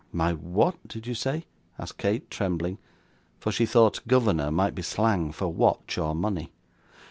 'My what did you say?' asked Kate, trembling; for she thought 'governor' might be slang for watch or money.